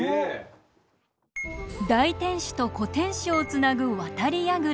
大天守と小天守をつなぐ渡櫓。